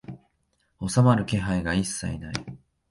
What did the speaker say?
収まる気配が一切ない